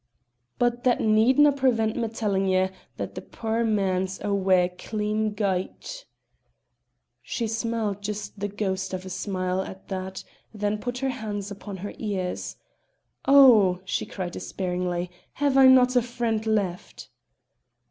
"But that needna' prevent me tellin' ye that the puir man's awa' clean gyte." She smiled just the ghost of a smile at that, then put her hands upon her ears. "Oh!" she cried despairingly, "have I not a friend left?"